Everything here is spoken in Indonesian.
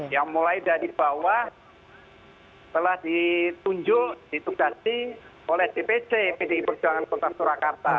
yang mulai dari bawah telah ditunjuk ditugasi oleh dpc pdi perjuangan kota surakarta